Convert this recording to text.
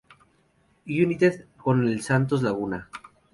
United con el Santos Laguna.